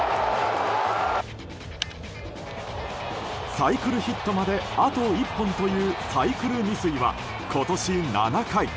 サイクルヒットまであと１本というサイクル未遂は今年７回。